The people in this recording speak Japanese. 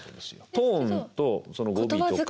トーンとその語尾とか。